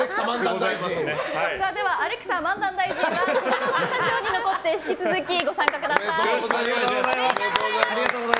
アレクサ漫談大臣はこのままスタジオに残って引き続きご参加ください。